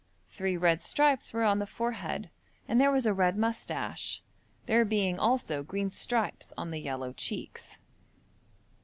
Three red stripes were on the forehead, and there was a red moustache, there being also green stripes on the yellow cheeks.